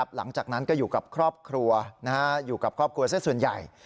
หลังจากนั้นก็อยู่กับครอบครัวครอบครัวทั้งหมด